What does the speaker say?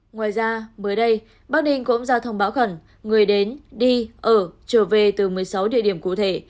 ngoài ra mới đây bắc ninh cũng ra thông báo khẩn người đến đi ở trở về từ một mươi sáu địa điểm cụ thể